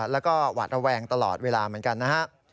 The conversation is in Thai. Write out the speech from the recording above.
แล้วก็หวาดระแวงตลอดเวลาเหมือนกันนะฮะ